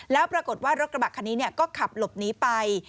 แล้วปรากฏว่ารถกระบะคันนี้ก็ขับหลบหนีไป